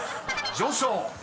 上昇！］